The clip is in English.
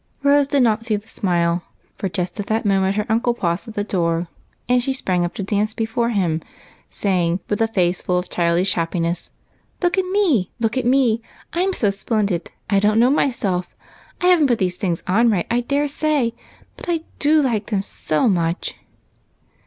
Rose did not see the smile, for just at that moment her uncle paused at the door, and she sprang up to dance before him, saying, with a face full of childish happiness, —" Look at me ! look at me ! I 'm so splendid I don't know myself. I haven't put these things on right, I dare say, but I do like them so much